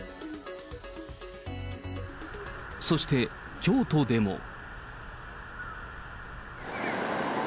そして、京都でも。